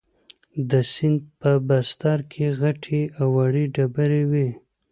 د سیند په بستر کې غټې او وړې ډبرې وې.